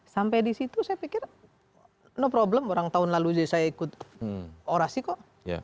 sampai disitu saya pikir no problem orang tahun lalu saja saya ikut orasi kok